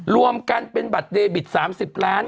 รวมกันเป็นบัตรเดบิต๓๐ล้าน